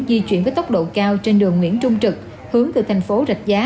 di chuyển với tốc độ cao trên đường nguyễn trung trực hướng từ thành phố rạch giá